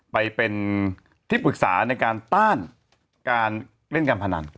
ไปเป็นที่ปรึกษาในการต้านการเล่นการพนัน